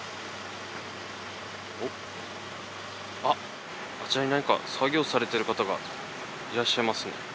おっあっあちらに何か作業されてる方がいらっしゃいますね。